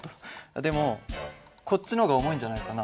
でもこっちの方が重いんじゃないかな。